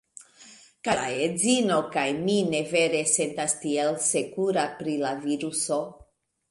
Kaj la edzino kaj mi ne vere sentas tiel sekura pri la viruso